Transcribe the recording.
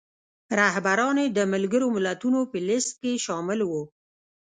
رهبران یې د ملګرو ملتونو په لیست کې شامل وو.